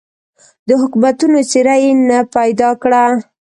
د حکومتونو څېره یې نه پیدا کړه.